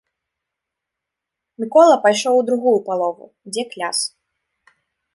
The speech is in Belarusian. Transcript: Мікола пайшоў у другую палову, дзе кляс.